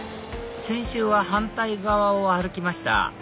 先週は反対側を歩きました